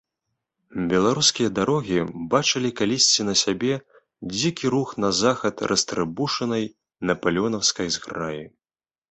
Беларускія дарогі бачылі калісьці на сабе дзікі рух на захад растрыбушанай напалеонаўскай зграі.